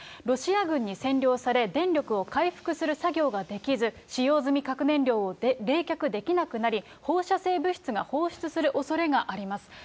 ロシア軍に占領され、電力を回復する作業ができず、使用済み核燃料を冷却できなくなり、放射性物質が放出するおそれがあります。